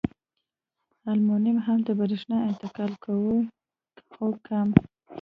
المونیم هم د برېښنا انتقال کوي خو کم.